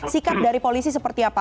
sikap dari polisi seperti apa